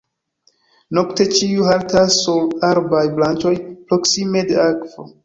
Nokte ĉiuj haltas sur arbaj branĉoj proksime de akvo.